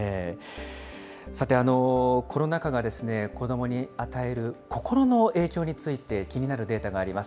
さて、コロナ禍が子どもに与える心の影響について気になるデータがあります。